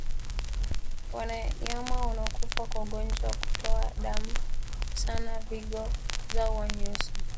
Wanayama wanaokufa kwa ugonjwa wa kutoka damu sana vigo zao huwa nyeusi